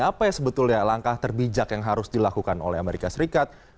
apa sebetulnya langkah terbijak yang harus dilakukan oleh amerika serikat